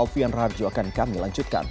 dan rahabji akan kami lanjutkan